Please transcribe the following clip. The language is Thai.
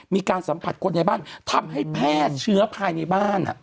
มีการสัมผัสคนในบ้านทำให้แพร่เชื้อภายในบ้าน